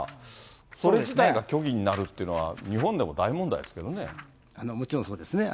それ自体が虚偽になるというのは、もちろんそうですね。